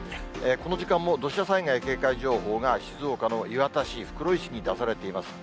この時間も、土砂災害警戒情報が、静岡の磐田市、袋井市に出されています。